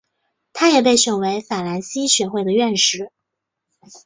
他也被选为法兰西学会的院士。